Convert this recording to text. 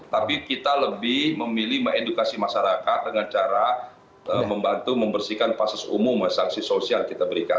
tapi kita lebih memilih mengedukasi masyarakat dengan cara membantu membersihkan passis umum sanksi sosial kita berikan